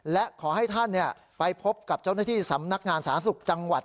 และขอให้ท่านไปพบกับเจ้าหน้าที่สำนักงานสาธารณสุขจังหวัด